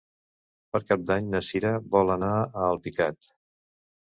Per Cap d'Any na Sira vol anar a Alpicat.